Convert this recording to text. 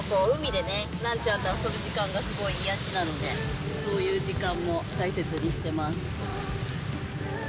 でも、海でね、ランちゃんと遊ぶ時間がすごい癒やしなので、そういう時間も大切にしてます。